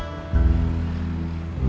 terus aku mau pergi ke rumah